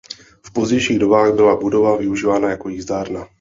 V pozdějších dobách byla budova využívána jako jízdárna.